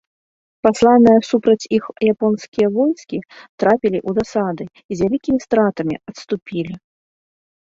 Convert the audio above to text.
Пасланыя супраць іх японскія войскі трапілі ў засады і з вялікімі стратамі адступілі.